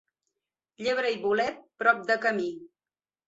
Llebre i bolet, prop de camí.